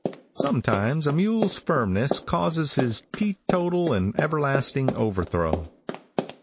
Sometimes a mule's firmness causes his teetotal and everlasting overthrow.